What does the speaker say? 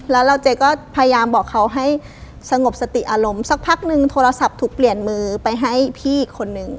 แล้วเราเจ๊ก็พยายามบอกเขาให้สงบสติอารมณ์สักพักนึงโทรศัพท์ถูกเปลี่ยนมือไปให้พี่อีกคนนึง